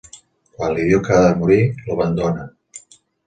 Quan li diu que ha de morir, l'abandona.